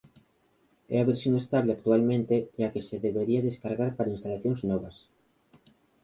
É a versión estable actualmente e a que se debería descargar para instalacións novas.